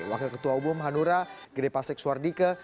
wakil ketua umum hanura gede pasek suardike